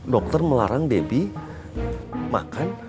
dokter melarang debbie makan